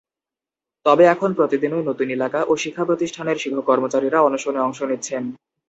তবে এখন প্রতিদিনই নতুন এলাকা ও শিক্ষাপ্রতিষ্ঠানের শিক্ষক কর্মচারীরা অনশনে অংশ নিচ্ছেন।